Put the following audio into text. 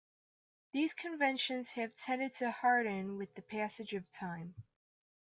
These conventions have tended to harden with passage of time.